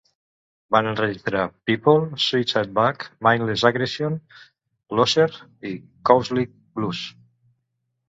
Van enregistrar "People", "Suicide Bag", "Mindless Aggression", "Losers" i "Cowslick Blues".